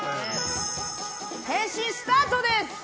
変身スタートです！